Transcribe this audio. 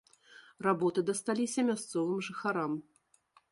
Работы дасталіся мясцовым жыхарам.